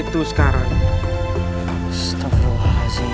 aku sekarang sembahkan sama dia